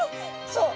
そう。